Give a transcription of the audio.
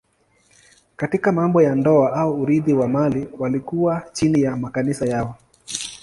Katika mambo ya ndoa au urithi wa mali walikuwa chini ya makanisa yao.